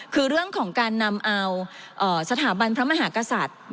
คือเรื่องของการนำเอาสถาบันพระมหากษัตริย์